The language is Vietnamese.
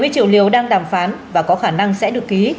ba mươi triệu liều đang đàm phán và có khả năng sẽ được ký